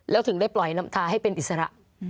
แล้วถึงได้ปล่อยน้ำตาให้เป็นอิสระ